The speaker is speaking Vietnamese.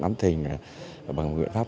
nắm thình bằng nguyện pháp